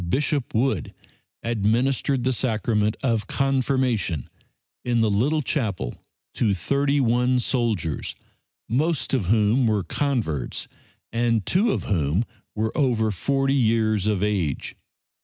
Bishop Wood administered the sacrament of Confirmation in the little chapel to thirty one soldiers, most of whom were converts and two of whom were over 40 years of age.